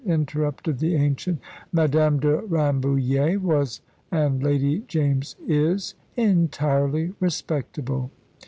interrupted the ancient. "Madame de Rambouillet was, and Lady James is, entirely respectable."